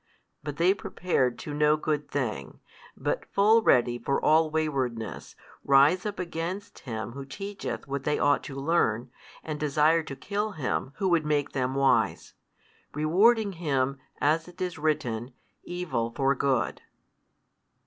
But they prepared to no good thing, but full ready for all waywardness, rise up against Him Who teacheth what they ought to learn, and desire to kill Him who would make them wise, rewarding Him, as it is written, evil for good.